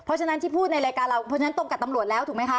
เพราะฉะนั้นที่พูดในรายการเราต้องกับตำรวจแล้วถูกไหมคะ